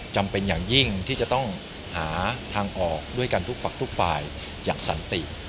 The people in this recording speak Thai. จำเป็นอย่างยิ่งที่จะต้องหาทางออกด้วยกันทุกฝักทุกฝ่ายอย่างสันติ